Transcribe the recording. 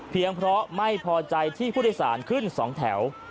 เพราะไม่พอใจที่ผู้โดยสารขึ้น๒แถว